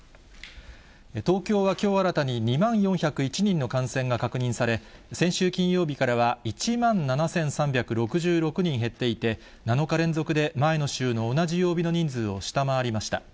東京はきょう新たに２万４０１人の感染が確認され、先週金曜日からは、１万７３６６人減っていて、７日連続で前の週の同じ曜日の人数を下回りました。